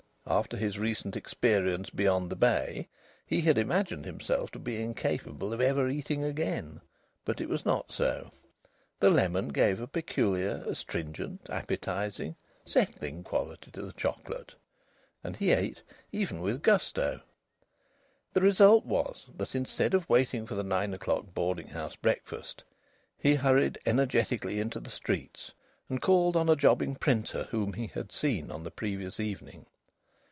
After his recent experience beyond the bay he had imagined himself to be incapable of ever eating again, but it was not so. The lemon gave a peculiar astringent, appetising, settling quality to the chocolate. And he ate even with gusto. The result was that, instead of waiting for the nine o'clock boarding house breakfast, he hurried energetically into the streets and called on a jobbing printer whom he had seen on the previous evening.